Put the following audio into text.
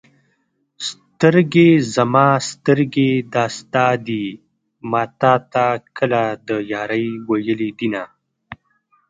سترګې زما سترګې دا ستا دي ما تا ته کله د يارۍ ویلي دینه